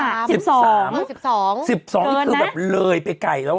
๑๒นี่คือเลยไปไกลแล้ว